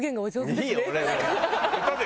いいよ。